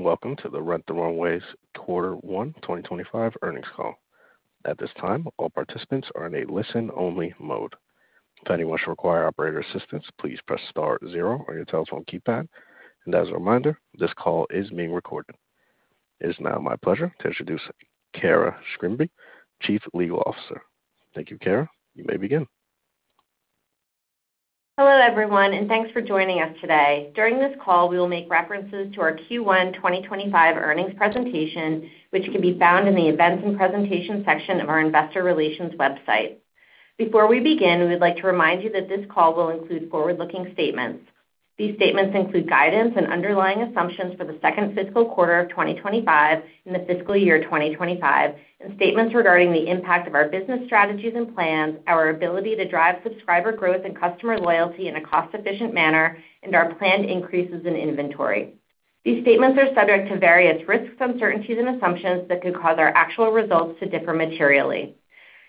Welcome to the Rent The Runway Quarter One, 2025 Earnings Call. At this time, all participants are in a listen-only mode. If anyone should require operator assistance, please press star zero on your telephone keypad. As a reminder, this call is being recorded. It is now my pleasure to introduce Cara Schembri, Chief Legal Officer. Thank you, Cara. You may begin. Hello, everyone, and thanks for joining us today. During this call, we will make references to our Q1 2025 earnings presentation, which can be found in the events and presentation section of our investor relations website. Before we begin, we would like to remind you that this call will include forward-looking statements. These statements include guidance and underlying assumptions for the second fiscal quarter of 2025 and the fiscal year 2025, and statements regarding the impact of our business strategies and plans, our ability to drive subscriber growth and customer loyalty in a cost-efficient manner, and our planned increases in inventory. These statements are subject to various risks, uncertainties, and assumptions that could cause our actual results to differ materially.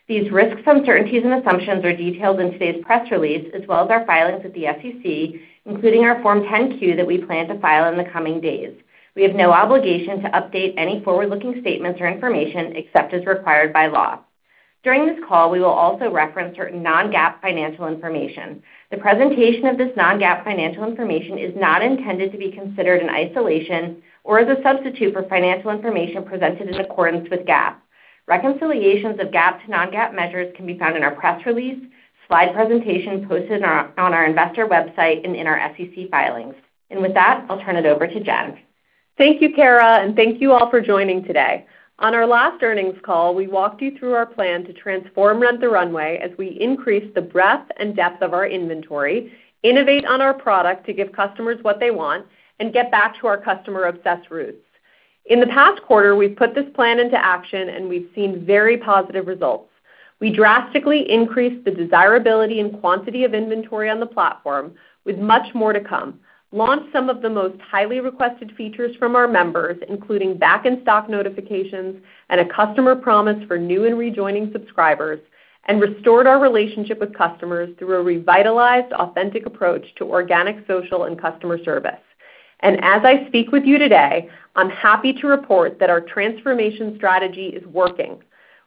These risks, uncertainties, and assumptions are detailed in today's press release, as well as our filings with the SEC, including our Form 10Q that we plan to file in the coming days. We have no obligation to update any forward-looking statements or information except as required by law. During this call, we will also reference certain non-GAAP financial information. The presentation of this non-GAAP financial information is not intended to be considered in isolation or as a substitute for financial information presented in accordance with GAAP. Reconciliations of GAAP to non-GAAP measures can be found in our press release, slide presentation posted on our investor website, and in our SEC filings. With that, I'll turn it over to Jenn. Thank you, Cara, and thank you all for joining today. On our last earnings call, we walked you through our plan to transform Rent The Runway as we increase the breadth and depth of our inventory, innovate on our product to give customers what they want, and get back to our customer-obsessed roots. In the past quarter, we've put this plan into action, and we've seen very positive results. We drastically increased the desirability and quantity of inventory on the platform, with much more to come, launched some of the most highly requested features from our members, including back-in-stock notifications and a customer promise for new and rejoining subscribers, and restored our relationship with customers through a revitalized, authentic approach to organic social and customer service. As I speak with you today, I'm happy to report that our transformation strategy is working.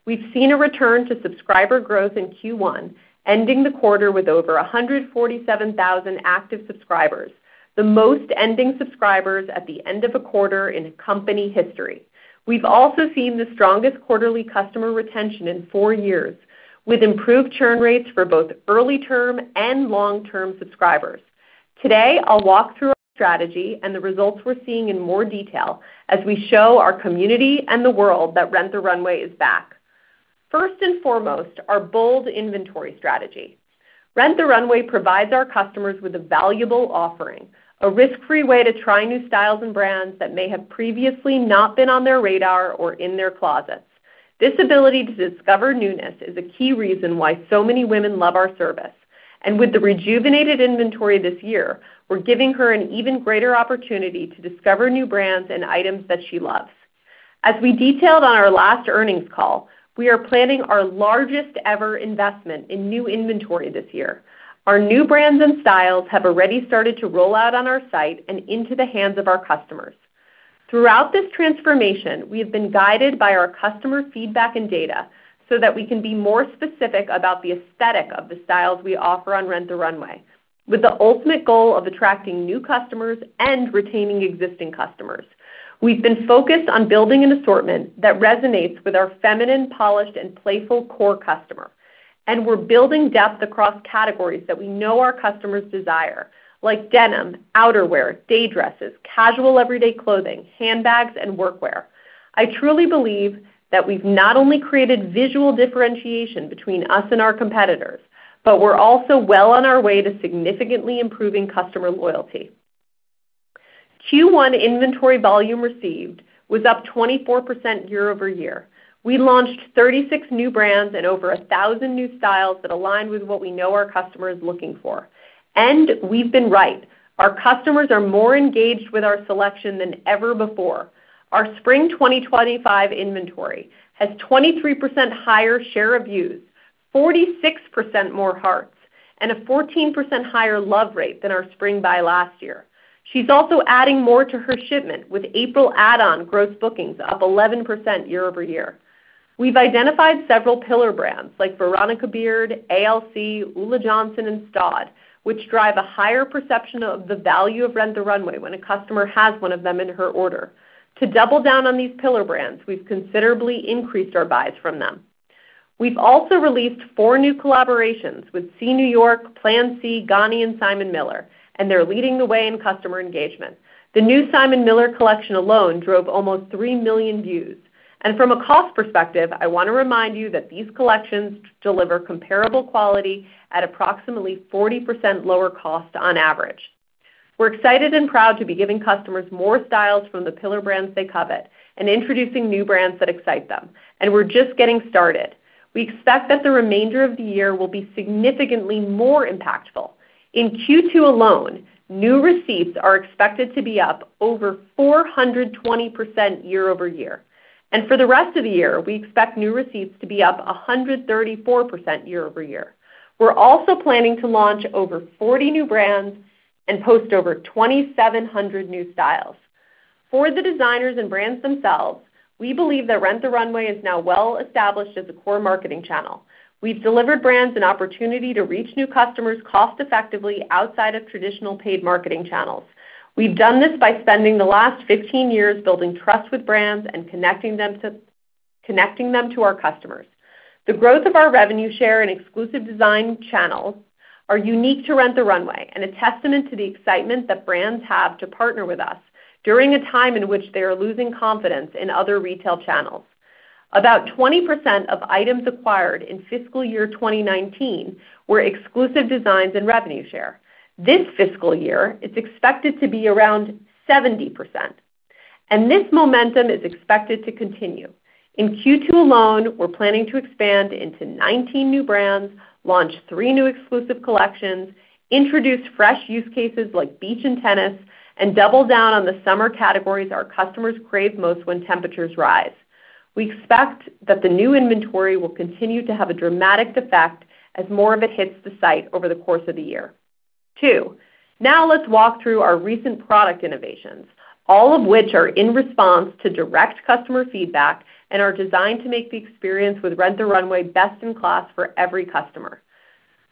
We've seen a return to subscriber growth in Q1, ending the quarter with over 147,000 active subscribers, the most ending subscribers at the end of a quarter in company history. We've also seen the strongest quarterly customer retention in four years, with improved churn rates for both early-term and long-term subscribers. Today, I'll walk through our strategy and the results we're seeing in more detail as we show our community and the world that Rent the Runway is back. First and foremost, our bold inventory strategy. Rent The Runway provides our customers with a valuable offering, a risk-free way to try new styles and brands that may have previously not been on their radar or in their closets. This ability to discover newness is a key reason why so many women love our service. With the rejuvenated inventory this year, we're giving her an even greater opportunity to discover new brands and items that she loves. As we detailed on our last earnings call, we are planning our largest-ever investment in new inventory this year. Our new brands and styles have already started to roll out on our site and into the hands of our customers. Throughout this transformation, we have been guided by our customer feedback and data so that we can be more specific about the aesthetic of the styles we offer on Rent The Runway, with the ultimate goal of attracting new customers and retaining existing customers. We've been focused on building an assortment that resonates with our feminine, polished, and playful core customer. We're building depth across categories that we know our customers desire, like denim, outerwear, day dresses, casual everyday clothing, handbags, and workwear. I truly believe that we've not only created visual differentiation between us and our competitors, but we're also well on our way to significantly improving customer loyalty. Q1 inventory volume received was up 24% year over year. We launched 36 new brands and over 1,000 new styles that aligned with what we know our customer is looking for. We've been right. Our customers are more engaged with our selection than ever before. Our spring 2025 inventory has a 23% higher share of views, 46% more hearts, and a 14% higher love rate than our spring buy last year. She's also adding more to her shipment with April add-on gross bookings up 11% year over year. We've identified several pillar brands like Veronica Beard, A.L.C., Ulla Johnson, and Staud, which drive a higher perception of the value of Rent The Runway when a customer has one of them in her order. To double down on these pillar brands, we've considerably increased our buys from them. We've also released four new collaborations with Sea New York, Plan C, Ganni, and Simon Miller, and they're leading the way in customer engagement. The new Simon Miller collection alone drove almost 3 million views. From a cost perspective, I want to remind you that these collections deliver comparable quality at approximately 40% lower cost on average. We're excited and proud to be giving customers more styles from the pillar brands they covet and introducing new brands that excite them. We're just getting started. We expect that the remainder of the year will be significantly more impactful. In Q2 alone, new receipts are expected to be up over 420% YoY. For the rest of the year, we expect new receipts to be up 134% YoY. We are also planning to launch over 40 new brands and post over 2,700 new styles. For the designers and brands themselves, we believe that Rent The Runway is now well established as a core marketing channel. We have delivered brands an opportunity to reach new customers cost-effectively outside of traditional paid marketing channels. We have done this by spending the last 15 years building trust with brands and connecting them to our customers. The growth of our revenue share and exclusive design channels are unique to Rent The Runway and a testament to the excitement that brands have to partner with us during a time in which they are losing confidence in other retail channels. About 20% of items acquired in fiscal year 2019 were exclusive designs and revenue share. This fiscal year, it's expected to be around 70%. This momentum is expected to continue. In Q2 alone, we're planning to expand into 19 new brands, launch three new exclusive collections, introduce fresh use cases like beach and tennis, and double down on the summer categories our customers crave most when temperatures rise. We expect that the new inventory will continue to have a dramatic effect as more of it hits the site over the course of the year. Two, now let's walk through our recent product innovations, all of which are in response to direct customer feedback and are designed to make the experience with Rent The Runway best in class for every customer.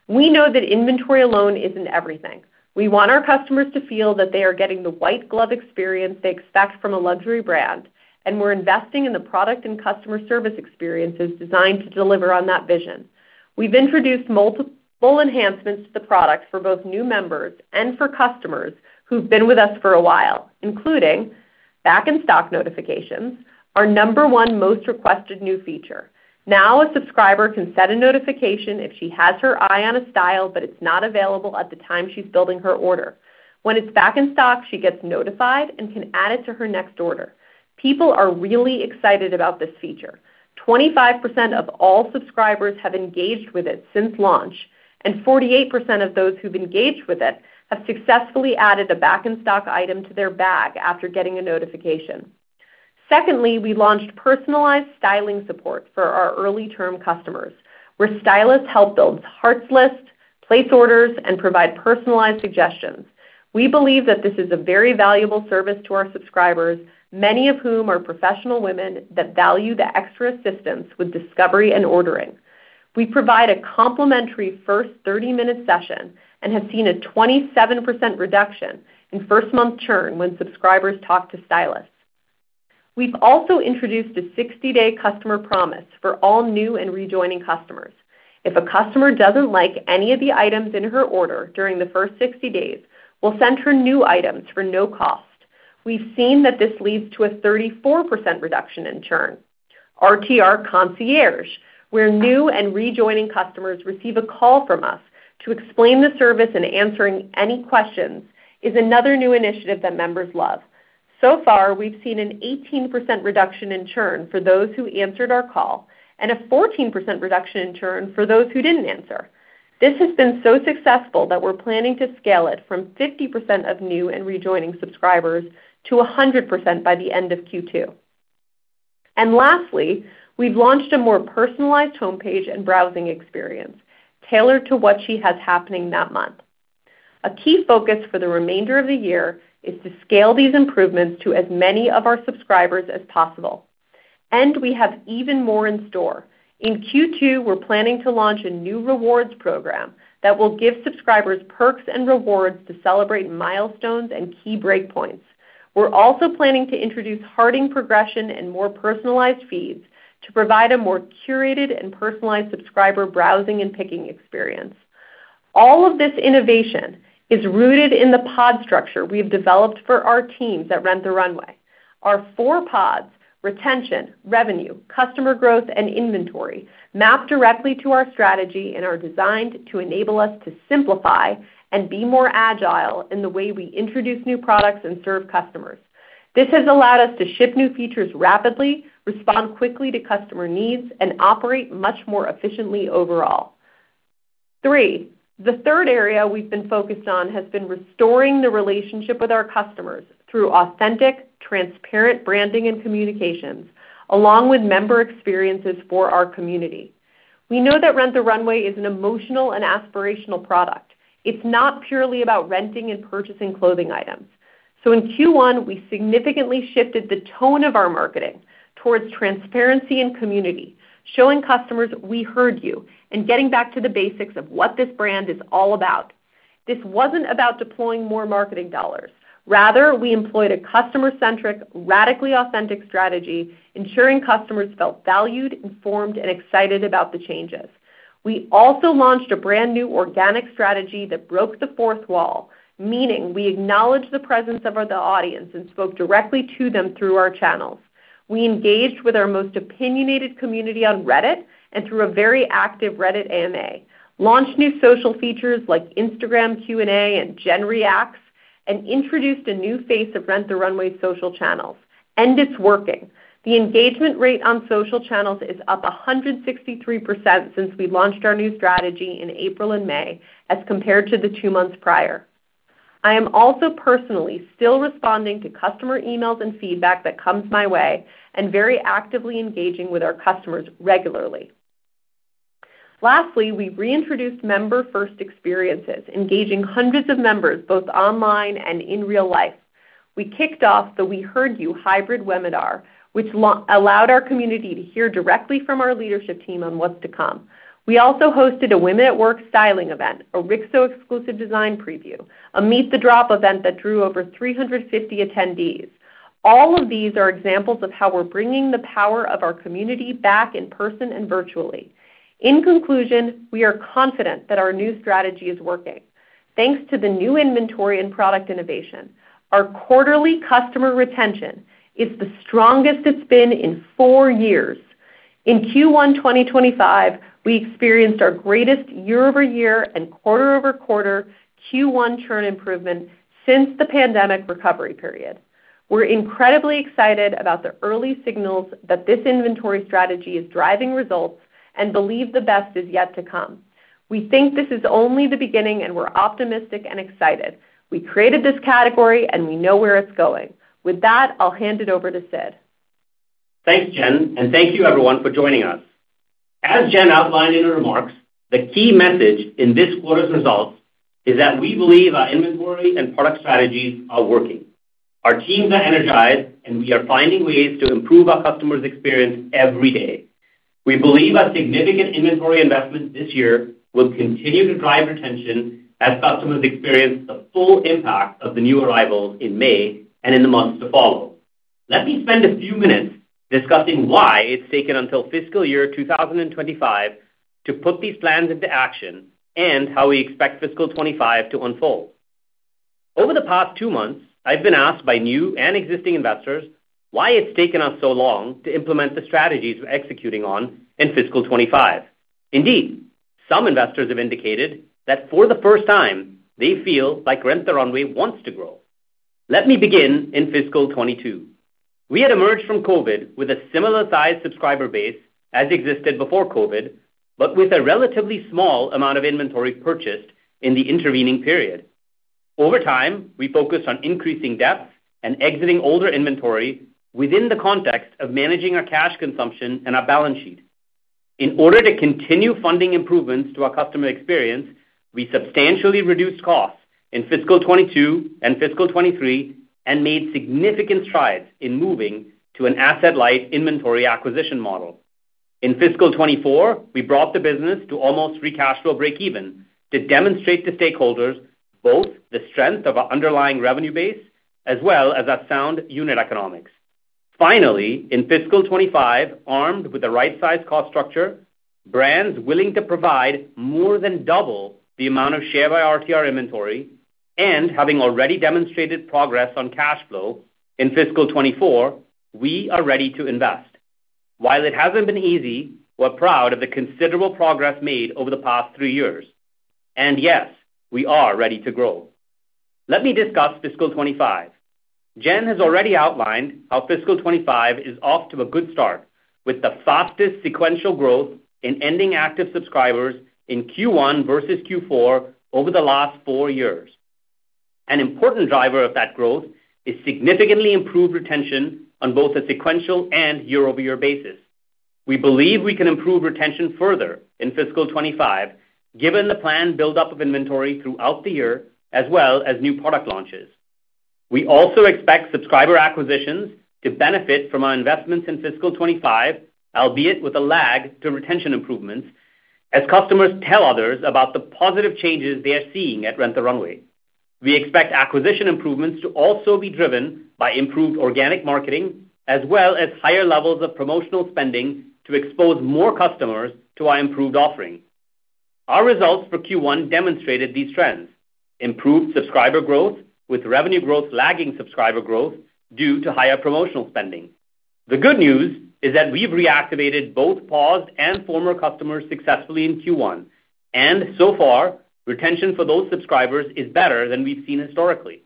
We know that inventory alone isn't everything. We want our customers to feel that they are getting the white glove experience they expect from a luxury brand, and we're investing in the product and customer service experiences designed to deliver on that vision. We've introduced multiple enhancements to the product for both new members and for customers who've been with us for a while, including back-in-stock notifications, our number one most requested new feature. Now a subscriber can set a notification if she has her eye on a style, but it's not available at the time she's building her order. When it's back in stock, she gets notified and can add it to her next order. People are really excited about this feature. 25% of all subscribers have engaged with it since launch, and 48% of those who've engaged with it have successfully added a back-in-stock item to their bag after getting a notification. Secondly, we launched personalized styling support for our early-term customers, where stylists help build hearts lists, place orders, and provide personalized suggestions. We believe that this is a very valuable service to our subscribers, many of whom are professional women that value the extra assistance with discovery and ordering. We provide a complimentary first 30-minute session and have seen a 27% reduction in first-month churn when subscribers talk to stylists. We've also introduced a 60-day customer promise for all new and rejoining customers. If a customer doesn't like any of the items in her order during the first 60 days, we'll send her new items for no cost. We've seen that this leads to a 34% reduction in churn. RTR concierge, where new and rejoining customers receive a call from us to explain the service and answering any questions, is another new initiative that members love. So far, we've seen an 18% reduction in churn for those who answered our call and a 14% reduction in churn for those who didn't answer. This has been so successful that we're planning to scale it from 50% of new and rejoining subscribers to 100% by the end of Q2. Lastly, we've launched a more personalized homepage and browsing experience tailored to what she has happening that month. A key focus for the remainder of the year is to scale these improvements to as many of our subscribers as possible. We have even more in store. In Q2, we're planning to launch a new rewards program that will give subscribers perks and rewards to celebrate milestones and key breakpoints. We're also planning to introduce harding progression and more personalized feeds to provide a more curated and personalized subscriber browsing and picking experience. All of this innovation is rooted in the pod structure we've developed for our teams at Rent The Runway. Our four pods: retention, revenue, customer growth, and inventory map directly to our strategy and are designed to enable us to simplify and be more agile in the way we introduce new products and serve customers. This has allowed us to ship new features rapidly, respond quickly to customer needs, and operate much more efficiently overall. Three, the third area we've been focused on has been restoring the relationship with our customers through authentic, transparent branding and communications, along with member experiences for our community. We know that Rent The Runway is an emotional and aspirational product. It's not purely about renting and purchasing clothing items. In Q1, we significantly shifted the tone of our marketing towards transparency and community, showing customers we heard you and getting back to the basics of what this brand is all about. This wasn't about deploying more marketing dollars. Rather, we employed a customer-centric, radically authentic strategy, ensuring customers felt valued, informed, and excited about the changes. We also launched a brand new organic strategy that broke the fourth wall, meaning we acknowledged the presence of the audience and spoke directly to them through our channels. We engaged with our most opinionated community on Reddit and through a very active Reddit AMA. Launched new social features like Instagram Q&A and Jenn Reacts and introduced a new face of Rent The Runway's social channels. It's working. The engagement rate on social channels is up 163% since we launched our new strategy in April and May as compared to the two months prior. I am also personally still responding to customer emails and feedback that comes my way and very actively engaging with our customers regularly. Lastly, we reintroduced member-first experiences, engaging hundreds of members both online and in real life. We kicked off the We Heard You hybrid webinar, which allowed our community to hear directly from our leadership team on what's to come. We also hosted a Women at Work styling event, a Rixo exclusive design preview, a Meet the Drop event that drew over 350 attendees. All of these are examples of how we're bringing the power of our community back in person and virtually. In conclusion, we are confident that our new strategy is working. Thanks to the new inventory and product innovation, our quarterly customer retention is the strongest it's been in four years. In Q1 2025, we experienced our greatest year-over-year and quarter-over-quarter Q1 churn improvement since the pandemic recovery period. We're incredibly excited about the early signals that this inventory strategy is driving results and believe the best is yet to come. We think this is only the beginning, and we're optimistic and excited. We created this category, and we know where it's going. With that, I'll hand it over to Sid. Thanks, Jenn, and thank you, everyone, for joining us. As Jenn outlined in her remarks, the key message in this quarter's results is that we believe our inventory and product strategies are working. Our teams are energized, and we are finding ways to improve our customers' experience every day. We believe our significant inventory investment this year will continue to drive retention as customers experience the full impact of the new arrivals in May and in the months to follow. Let me spend a few minutes discussing why it's taken until fiscal year 2025 to put these plans into action and how we expect fiscal 2025 to unfold. Over the past two months, I've been asked by new and existing investors why it's taken us so long to implement the strategies we're executing on in fiscal 2025. Indeed, some investors have indicated that for the first time, they feel like Rent The Runway wants to grow. Let me begin in fiscal 2022. We had emerged from COVID with a similar-sized subscriber base as existed before COVID, but with a relatively small amount of inventory purchased in the intervening period. Over time, we focused on increasing depth and exiting older inventory within the context of managing our cash consumption and our balance sheet. In order to continue funding improvements to our customer experience, we substantially reduced costs in fiscal 2022 and fiscal 2023 and made significant strides in moving to an asset-light inventory acquisition model. In fiscal 2024, we brought the business to almost free cash flow breakeven to demonstrate to stakeholders both the strength of our underlying revenue base as well as our sound unit economics. Finally, in fiscal 2025, armed with a right-sized cost structure, brands willing to provide more than double the amount of share by RTR inventory and having already demonstrated progress on cash flow in fiscal 2024, we are ready to invest. While it has not been easy, we are proud of the considerable progress made over the past three years. Yes, we are ready to grow. Let me discuss fiscal 2025. Jenn has already outlined how fiscal 2025 is off to a good start with the fastest sequential growth in ending active subscribers in Q1 versus Q4 over the last four years. An important driver of that growth is significantly improved retention on both a sequential and year-over-year basis. We believe we can improve retention further in fiscal 2025 given the planned build-up of inventory throughout the year as well as new product launches. We also expect subscriber acquisitions to benefit from our investments in fiscal 2025, albeit with a lag to retention improvements, as customers tell others about the positive changes they are seeing at Rent The Runway. We expect acquisition improvements to also be driven by improved organic marketing as well as higher levels of promotional spending to expose more customers to our improved offering. Our results for Q1 demonstrated these trends: improved subscriber growth with revenue growth lagging subscriber growth due to higher promotional spending. The good news is that we've reactivated both paused and former customers successfully in Q1, and so far, retention for those subscribers is better than we've seen historically.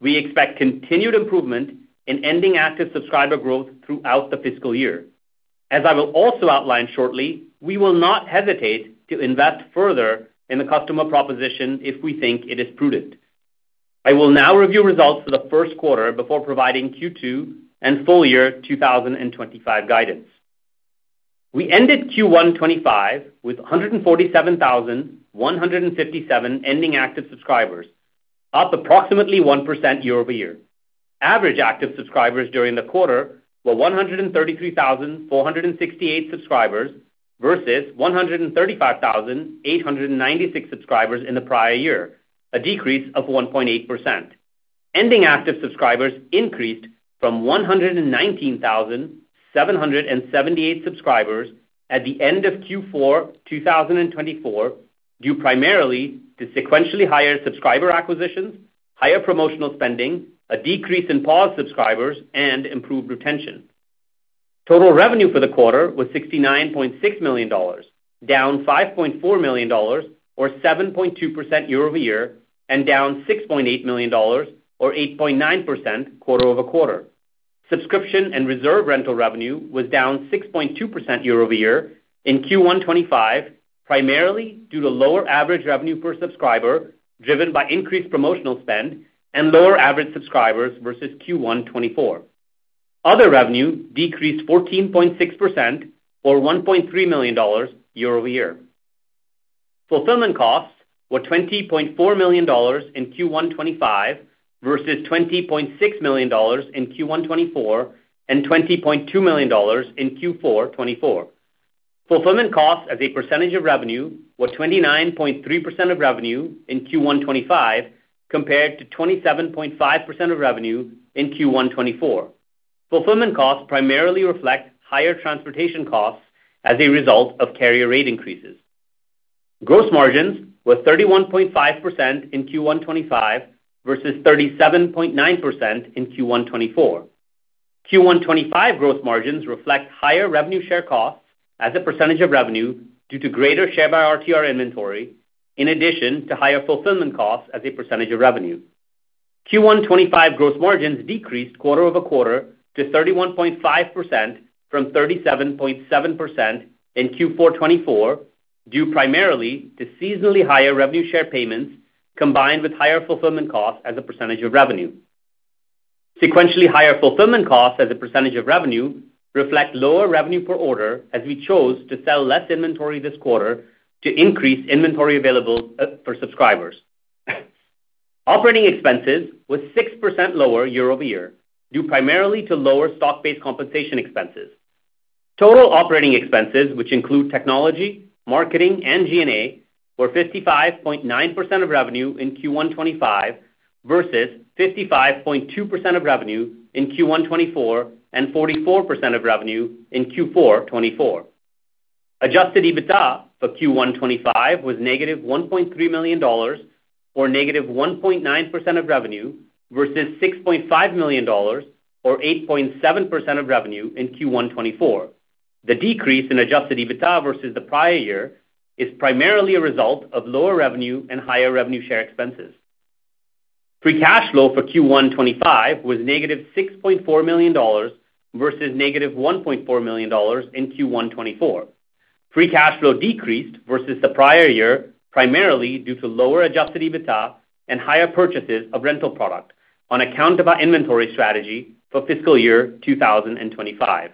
We expect continued improvement in ending active subscriber growth throughout the fiscal year. As I will also outline shortly, we will not hesitate to invest further in the customer proposition if we think it is prudent. I will now review results for the first quarter before providing Q2 and full year 2025 guidance. We ended Q1 2025 with 147,157 ending active subscribers, up approximately 1% YoY. Average active subscribers during the quarter were 133,468 subscribers versus 135,896 subscribers in the prior year, a decrease of 1.8%. Ending active subscribers increased from 119,778 subscribers at the end of Q4 2024 due primarily to sequentially higher subscriber acquisitions, higher promotional spending, a decrease in paused subscribers, and improved retention. Total revenue for the quarter was $69.6 million, down $5.4 million, or 7.2% YoY, and down $6.8 million, or 8.9% QoQ. Subscription and reserve rental revenue was down 6.2% YoY in Q1 2025 primarily due to lower average revenue per subscriber driven by increased promotional spend and lower average subscribers versus Q1 2024. Other revenue decreased 14.6%, or $1.3 million YoY. Fulfillment costs were $20.4 million in Q1 2025 versus $20.6 million in Q1 2024 and $20.2 million in Q4 2024. Fulfillment costs as a percentage of revenue were 29.3% of revenue in Q1 2025 compared to 27.5% of revenue in Q1 2024. Fulfillment costs primarily reflect higher transportation costs as a result of carrier rate increases. Gross margins were 31.5% in Q1 2025 versus 37.9% in Q1 2024. Q1 2025 gross margins reflect higher revenue share costs as a percentage of revenue due to greater share by RTR inventory, in addition to higher fulfillment costs as a percentage of revenue. Q1 2025 gross margins decreased quarter-over-quarter to 31.5% from 37.7% in Q4 2024 due primarily to seasonally higher revenue share payments combined with higher fulfillment costs as a percentage of revenue. Sequentially higher fulfillment costs as a percentage of revenue reflect lower revenue per order as we chose to sell less inventory this quarter to increase inventory available for subscribers. Operating expenses were 6% lower year-over-year due primarily to lower stock-based compensation expenses. Total operating expenses, which include technology, marketing, and G&A, were 55.9% of revenue in Q1 2025 versus 55.2% of revenue in Q1 2024 and 44% of revenue in Q4 2024. Adjusted EBITDA for Q1 2025 was -$1.3 million or -1.9% of revenue versus $6.5 million or 8.7% of revenue in Q1 2024. The decrease in adjusted EBITDA versus the prior year is primarily a result of lower revenue and higher revenue share expenses. Free cash flow for Q1 2025 was -$6.4 million versus -$1.4 million in Q1 2024. Free cash flow decreased versus the prior year primarily due to lower adjusted EBITDA and higher purchases of rental product on account of our inventory strategy for fiscal year 2025.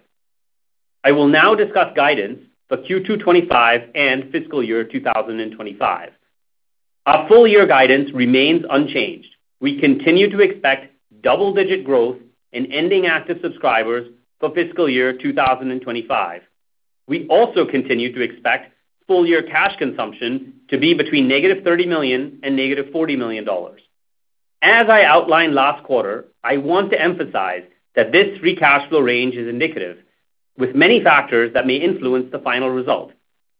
I will now discuss guidance for Q2 2025 and fiscal year 2025. Our full year guidance remains unchanged. We continue to expect double-digit growth in ending active subscribers for fiscal year 2025. We also continue to expect full year cash consumption to be between -$30 million and -$40 million. As I outlined last quarter, I want to emphasize that this free cash flow range is indicative with many factors that may influence the final result.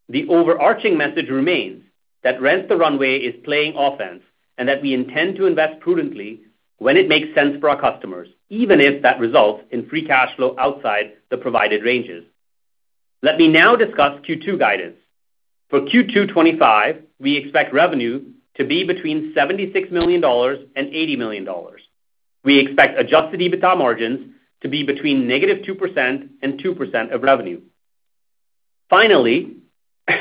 The overarching message remains that Rent the Runway is playing offense and that we intend to invest prudently when it makes sense for our customers, even if that results in free cash flow outside the provided ranges. Let me now discuss Q2 guidance. For Q2 2025, we expect revenue to be between $76 million and $80 million. We expect adjusted EBITDA margins to be between -2% and 2% of revenue. Finally,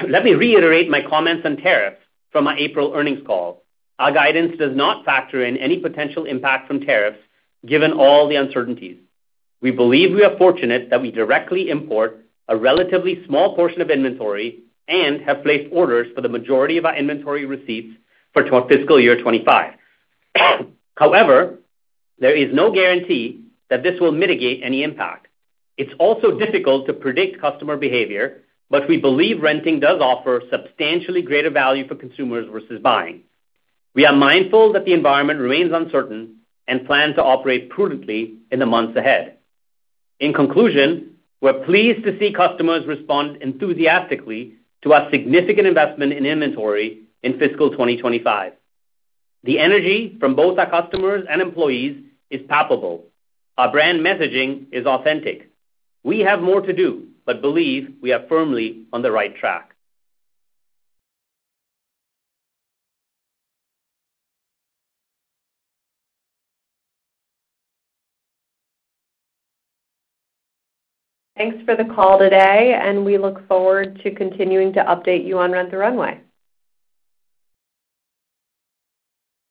let me reiterate my comments on tariffs from our April earnings call. Our guidance does not factor in any potential impact from tariffs given all the uncertainties. We believe we are fortunate that we directly import a relatively small portion of inventory and have placed orders for the majority of our inventory receipts for fiscal year 2025. However, there is no guarantee that this will mitigate any impact. It's also difficult to predict customer behavior, but we believe renting does offer substantially greater value for consumers versus buying. We are mindful that the environment remains uncertain and plan to operate prudently in the months ahead. In conclusion, we're pleased to see customers respond enthusiastically to our significant investment in inventory in fiscal 2025. The energy from both our customers and employees is palpable. Our brand messaging is authentic. We have more to do, but believe we are firmly on the right track. Thanks for the call today, and we look forward to continuing to update you on Rent The Runway.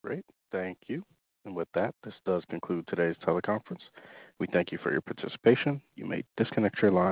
Great. Thank you. With that, this does conclude today's teleconference. We thank you for your participation. You may disconnect your line.